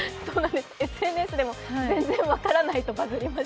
ＳＮＳでも、全然分からないとバズりました。